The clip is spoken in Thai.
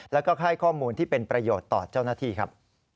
แล้วก็ให้ข้อมูลที่เป็นประโยชน์ต่อเจ้าหน้าที่ครับ